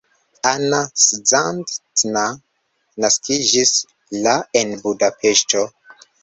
Anna Szandtner naskiĝis la en Budapeŝto.